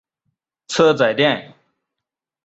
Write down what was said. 车仔电。